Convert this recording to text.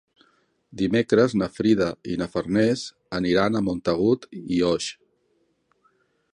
Dimecres na Frida i na Farners aniran a Montagut i Oix.